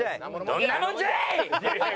どんなもんじゃい！